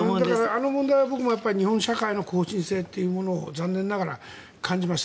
あの問題は僕も日本社会の後進性というものを残念ながら感じました。